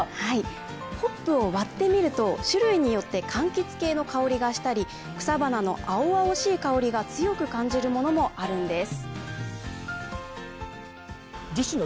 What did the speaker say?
ホップを割ってみると種類によってはかんきつ系の香りがしたり、草花の青々しい香りが強く感じるものもあるんです。